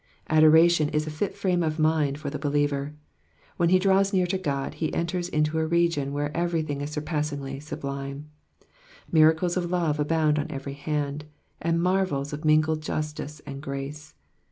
Adoration is a tit frame of mind for the believer. When he draws near to God, he enters into a region where everything is surpassingly sublime ; miracles of love abound on every hand^ and marvels of mingled justice and grace.